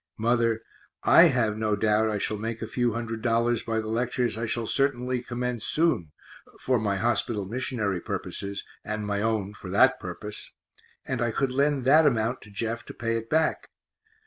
Mother, I have no doubt I shall make a few hundred dollars by the lectures I shall certainly commence soon (for my hospital missionary purposes and my own, for that purpose), and I could lend that am't to Jeff to pay it back.